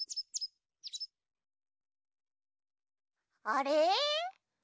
あれ？